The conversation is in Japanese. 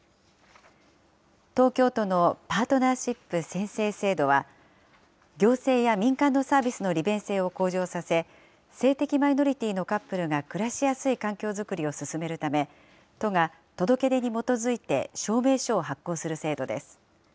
東京都のパートナーシップ宣誓制度は、行政や民間のサービスの利便性を向上させ、性的マイノリティーのカップルが暮らしやすい環境作りを進めるため、都が届け出に基づいて、証明書を発行する制度です。